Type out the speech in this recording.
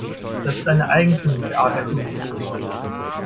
Das ist eine eigentümliche Art der Kommunikation.